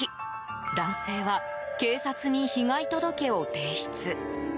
男性は、警察に被害届を提出。